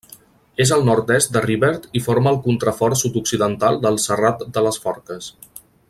És al nord-est de Rivert i forma el contrafort sud-occidental del Serrat de les Forques.